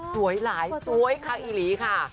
หลายสวยค่ะอีหลีค่ะ